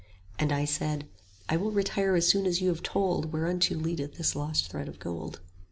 And I said, I will retire as soon as you have told Whereunto leadeth this lost thread of gold.